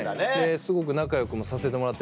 すごく仲良くもさせてもらってるので。